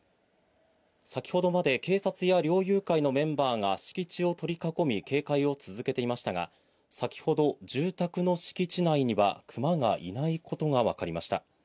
先ほどまで警察や猟友会のメンバーが敷地を取り囲み警戒を続けていましたが、先ほど住宅の敷地内にはクマがいないことがわかりました。